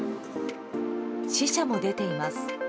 死者も出ています。